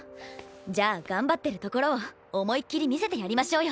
じゃあ頑張ってるところを思いっ切り見せてやりましょうよ。